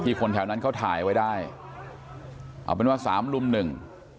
คนแถวนั้นเขาถ่ายไว้ได้เอาเป็นว่าสามลุมหนึ่ง